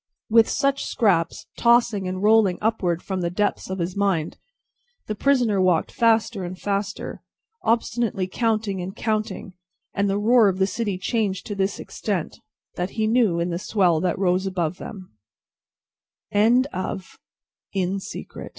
With such scraps tossing and rolling upward from the depths of his mind, the prisoner walked faster and faster, obstinately counting and counting; and the roar of the city changed to this extent that it still rolled in like muf